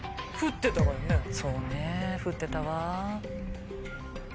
そうね降ってたわ。